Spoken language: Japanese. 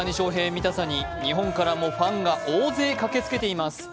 見たさに日本からもファンが大勢駆けつけています。